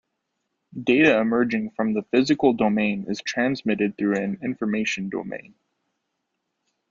Data emerging from the physical domain is transmitted through an information domain.